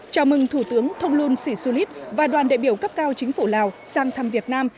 chào mừng thủ tướng thông luân sĩ xu lít và đoàn đại biểu cấp cao chính phủ lào sang thăm việt nam